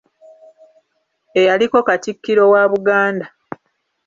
Eyaliko Katikkiro wa Buganda.